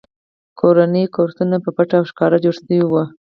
کورني کورسونه په پټه او ښکاره جوړ شوي وو